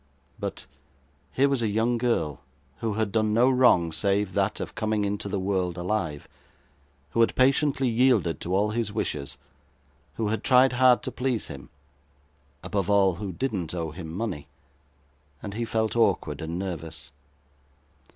But, here was a young girl, who had done no wrong save that of coming into the world alive; who had patiently yielded to all his wishes; who had tried hard to please him above all, who didn't owe him money and he felt awkward and nervous.